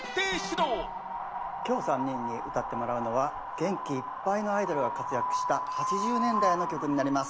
今日３人に歌ってもらうのは元気いっぱいのアイドルが活躍した８０年代の曲になります。